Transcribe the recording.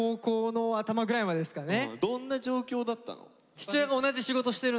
どんな状況だったの？